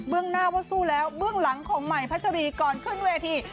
หน้าว่าสู้แล้วเบื้องหลังของใหม่พัชรีก่อนขึ้นเวที